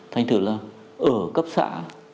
thành tựu là ở cấp xã